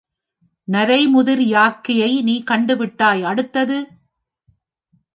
நரைமுதிர் யாக்கையை நீ கண்டு விட்டாய் அடுத்தது?